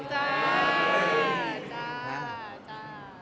จ้าจ้าจ้า